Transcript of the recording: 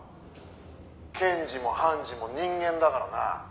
「検事も判事も人間だからな」